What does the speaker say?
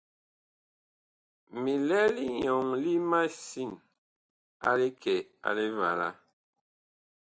Mi lɛ linyɔŋ li masin a likɛ a Livala.